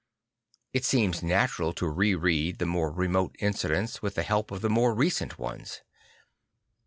It seems natural to re read the more remote incidents with the help of the more recent ones.